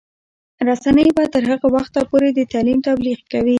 رسنۍ به تر هغه وخته پورې د تعلیم تبلیغ کوي.